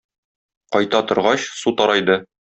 Кайта торгач, су тарайды.